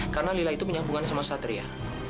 karena lila itu punya hubungan sama satria